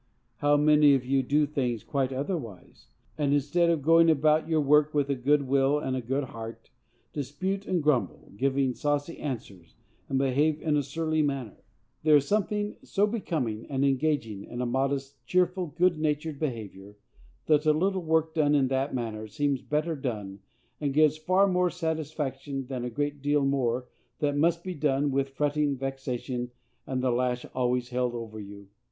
_ How many of you do things quite otherwise, and, instead of going about your work with a good will and a good heart, dispute and grumble, give saucy answers, and behave in a surly manner! There is something so becoming and engaging in a modest, cheerful, good natured behavior, that a little work done in that manner seems better done, and gives far more satisfaction, than a great deal more, that must be done with fretting, vexation, and the lash always held over you.